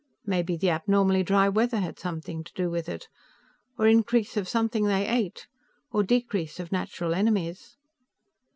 Maybe the abnormally dry weather had something to do with it. Or increase of something they ate, or decrease of natural enemies.